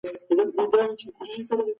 محمود لارښوونه وکړه چې نجونې خوشې کړي.